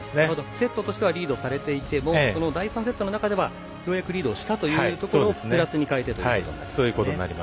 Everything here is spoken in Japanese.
セットとしてはリードされていても第３セットの中ではリードしているということをプラスに変えてということですね。